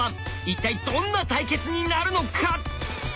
一体どんな対決になるのか！